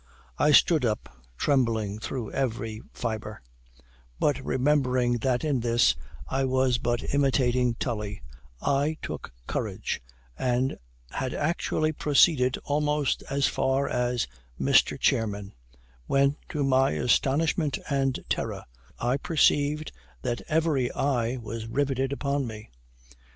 I stood up, trembling through every fibre: but remembering that in this I was but imitating Tully, I took courage, and had actually proceeded almost as far as 'Mr. Chairman,' when, to my astonishment and terror, I perceived that every eye was riveted upon me.